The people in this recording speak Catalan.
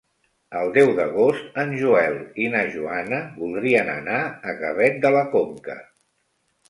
El deu d'agost en Joel i na Joana voldrien anar a Gavet de la Conca.